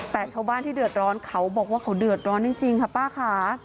แต่ชาวบ้านที่เดือดร้อนเขาบอกว่าเขาเดือดร้อนจริงค่ะป้าค่ะ